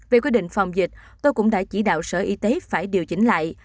về quy định phòng dịch tôi cũng đã chỉ đạo sở y tế phải điều chỉnh lại